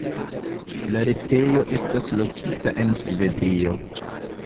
La retejo estas lokita en Svedio.